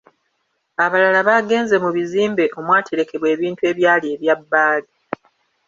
Abalala baagenze mu bizimbe omwaterekebwa ebintu ebyali ebya Bbaale